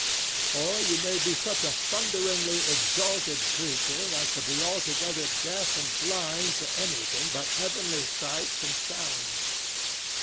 Or you may be such a thunderingly exalted creature as to be altogether deaf and blind to anything but heavenly sights and sounds.